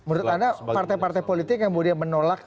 menurut anda partai partai politik yang kemudian menolak